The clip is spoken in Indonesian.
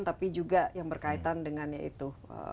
tapi juga yang berkaitan dengan yaitu